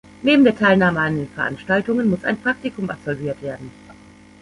Neben der Teilnahme an den Veranstaltungen muss ein Praktikum absolviert werden.